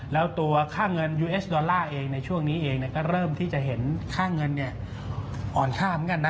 แล้วตัวค่าเงินยูเอสดอลลาร์เองในช่วงนี้เองก็เริ่มที่จะเห็นค่าเงินอ่อนค่าเหมือนกันนะ